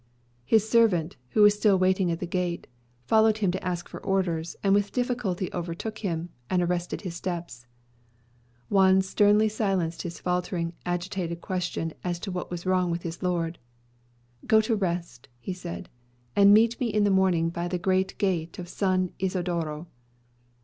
His servant, who was still waiting at the gate, followed him to ask for orders, and with difficulty overtook him, and arrested his steps. Juan sternly silenced his faltering, agitated question as to what was wrong with his lord. "Go to rest," he said, "and meet me in the morning by the great gate of San Isodro."